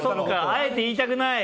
あえて言いたくない。